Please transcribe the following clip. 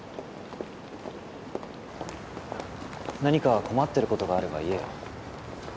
何か困ってることがあれば言えよ。